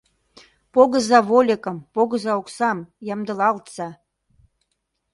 Погыза вольыкым, погыза оксам, ямдылалтса!